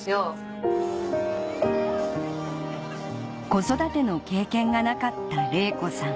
子育ての経験がなかった玲子さん